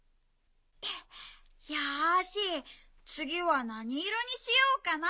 よしつぎはなにいろにしようかな。